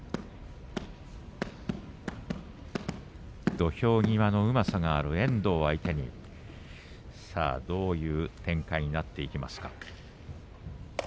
土俵際のうまさがある遠藤相手にどういう展開になっていくか。